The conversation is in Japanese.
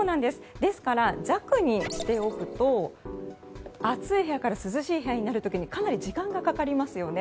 ですから弱にしておくと暑い部屋から涼しい部屋になる時にかなり時間がかかりますよね。